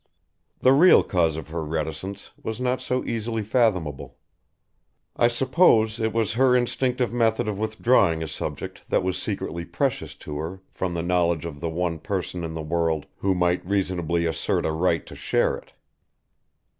The real cause of her reticence was not so easily fathomable. I suppose it was her instinctive method of withdrawing a subject that was secretly precious to her from the knowledge of the one person in the world who might reasonably assert a right to share it.